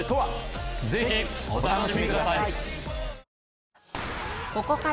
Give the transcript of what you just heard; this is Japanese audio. ぜひお楽しみください。